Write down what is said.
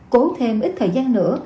cố thêm ít thời gian nữa